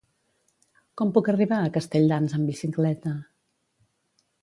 Com puc arribar a Castelldans amb bicicleta?